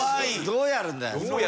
どうやるんだよ。